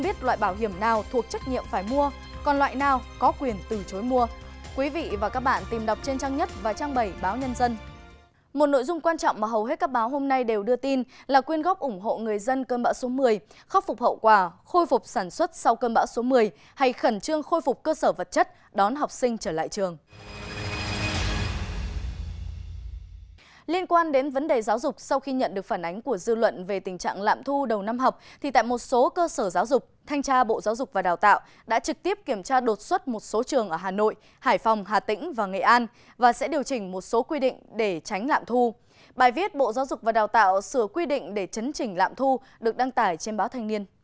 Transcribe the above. bài viết bộ giáo dục và đào tạo sửa quy định để chấn trình lạm thu được đăng tải trên báo thanh niên